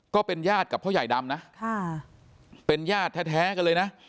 ก็เป็นญาติกับพ่อใหญ่ดำนะเป็นญาติแท้กันเลยนะ